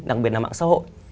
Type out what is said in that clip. đặc biệt là mạng xã hội